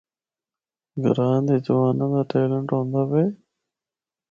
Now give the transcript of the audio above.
گراں دے جواناں the talent ہوندا وے۔